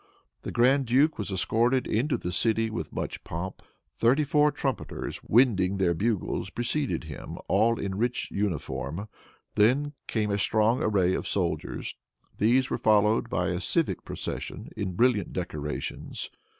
The grand duke was escorted into the city with much pomp. Thirty four trumpeters, winding their bugles, preceded him, all in rich uniform. Then came a strong array of soldiers. These were followed by a civic procession, in brilliant decorations.